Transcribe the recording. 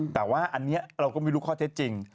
แต่ว่าอันนี้เราก็ไม่รู้ข้อเท็จจริง